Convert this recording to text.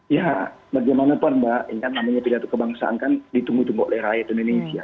ya bagaimanapun mbak ini kan namanya pidato kebangsaan kan ditunggu tunggu oleh rakyat indonesia